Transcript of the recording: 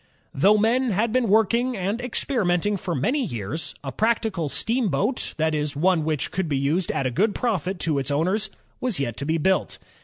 Though men had been working and experimenting for many years, a practical steamboat, that is, one which could be used at a good profit to its owners, was yet to I be built.